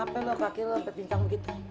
laper loh kaki lu sampe pindang begitu